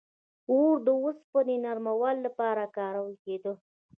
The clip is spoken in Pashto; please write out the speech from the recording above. • اور د اوسپنې د نرمولو لپاره کارول کېده.